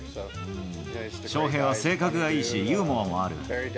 翔平は性格がいいし、ユーモアもある。